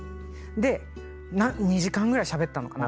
２時間ぐらいしゃべったのかな。